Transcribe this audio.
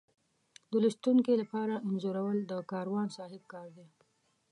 د لوستونکي لپاره انځورول د کاروان صاحب کار دی.